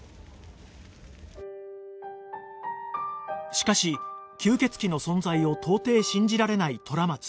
しかし吸血鬼の存在を到底信じられない虎松